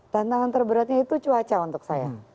tantangan terberatnya itu cuaca untuk saya